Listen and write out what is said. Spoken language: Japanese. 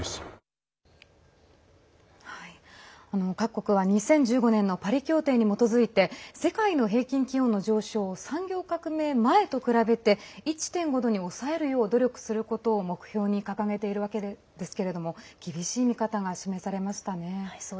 各国は２０１５年のパリ協定に基づいて世界の平均気温の上昇を産業革命前と比べて１．５度に抑えるよう努力することを目標に掲げているわけですけれども厳しい見方が示されましたね。